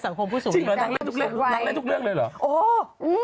ยังไม่ถึงเลย